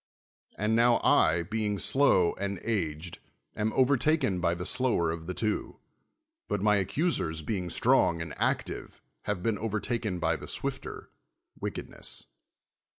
And now I, being slow and aged, am overtaken by the slower of the two ; but my accusers, being strong and active, have been overtaken by the swifter, wickedness.